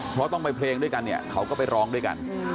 เพราะต้องไปเพลงด้วยกันเนี่ยเขาก็ไปร้องด้วยกัน